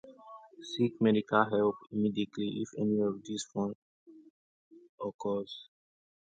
Seek medical help immediately if any of these symptoms occur.